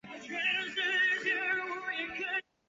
中国人民解放军将领。